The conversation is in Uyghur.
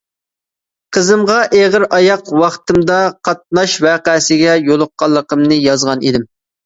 قىزىمغا ئېغىر ئاياق ۋاقتىمدا قاتناش ۋەقەسىگە يولۇققانلىقىمنى يازغان ئىدىم.